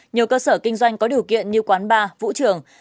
nhiều cơ sở kinh doanh có điều kiện như quán bar vũ trường